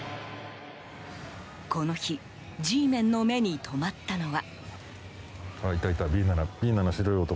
この日Ｇメンの目に留まったのは。